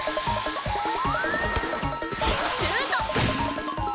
シュート！